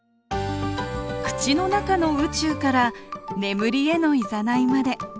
口の中の宇宙から眠りへのいざないまで。